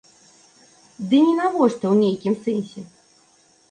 Ды нінавошта ў нейкім сэнсе.